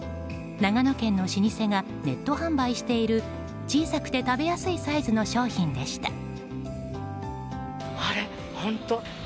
長野県の老舗がネット販売している小さくて食べやすいサイズの商品でした。